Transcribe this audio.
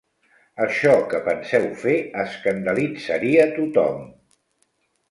Això que penseu fer escandalitzaria tothom.